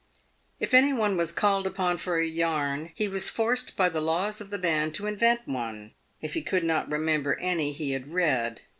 If any one was called upon for a yarn, he was forced by the laws of the band to invent one, if he could not remember any he had read.